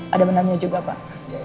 ada benarnya juga pak